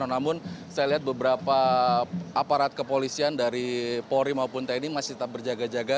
namun saya lihat beberapa aparat kepolisian dari polri maupun tni masih tetap berjaga jaga